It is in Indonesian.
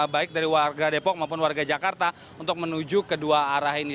baik dari warga depok maupun warga jakarta untuk menuju kedua arah ini